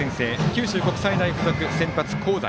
九州国際大付属、先発、香西。